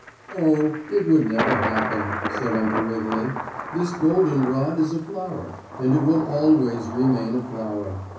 "Oh, it would never happen," said Uncle Wiggily. "This golden rod is a flower, and it will always remain a flower.